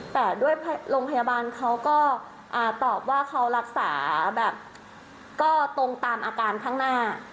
แต่โรงพยาบาลก็ตอบว่าเขารักษาตรงตามอาการข้างหน้า